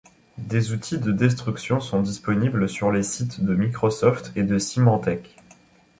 Des outils de destruction sont disponibles sur les sites de Microsoft et de Symantec.